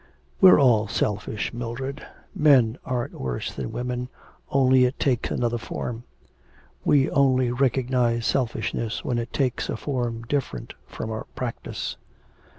'We're all selfish, Mildred. Men aren't worse than women, only it takes another form. We only recognise selfishness when it takes a form different from our practice.'